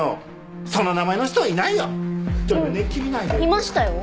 いましたよ。